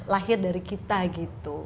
lahir dari kita gitu